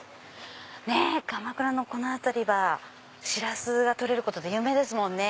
鎌倉のこの辺りはシラスが取れることで有名ですね。